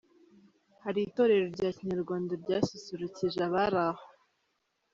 Hari itorero rya kinyarwanda ryasusurukije abari aho.